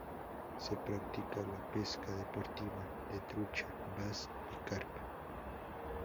Se practica la pesca deportiva de trucha, bass y carpa.